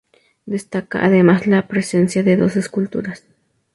Destaca, además, la presencia de dos esculturas.